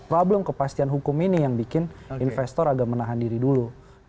problem kepastian hukum ini yang bikin investor agak menahan diri dulu